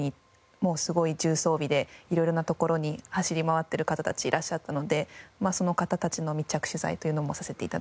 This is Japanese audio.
もうすごい重装備で色々な所に走り回ってる方たちいらっしゃったのでその方たちの密着取材というのもさせて頂きました。